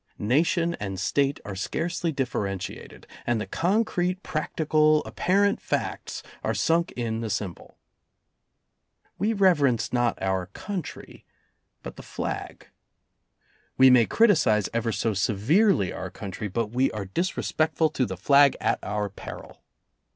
Nation and State are scarcely differentiated, and the concrete, prac tical, apparent facts are sunk in the symbol. We reverence not our country but the flag. We may criticize ever so severely our country, but we are .disrespectful to the flag at our peril.